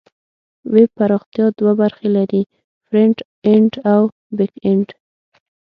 ویب پراختیا دوه برخې لري: فرنټ اینډ او بیک اینډ.